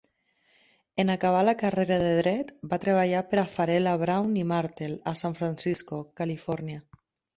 En acabar la carrera de dret, va treballar per a Farella Braun i Martel a San Francisco, Califòrnia.